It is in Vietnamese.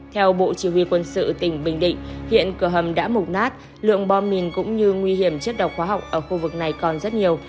theo bộ chỉ huy quân sự tỉnh bình định hiện cửa hầm đã mục nát lượng bom mìn cũng như nguy hiểm chất độc hóa học ở khu vực này còn rất nhiều